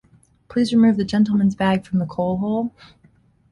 Please remove the gentleman's bag from the coal hole.